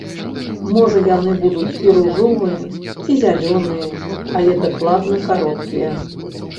Можа яны будуць і ружовыя, ці зялёныя, але дакладна кароткія.